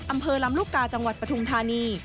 อำเภอลำลูกกาจังหวัดปฐุมธานี